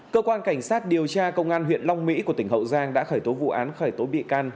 cơ quan cảnh sát điều tra công an huyện long mỹ của tỉnh hậu giang đã khởi tố vụ án khởi tố bị can